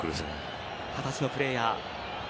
二十歳のプレーヤー。